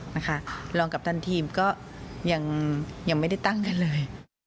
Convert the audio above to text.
รองกัปตันทีมก็ยังไม่ได้ตั้งกันเลย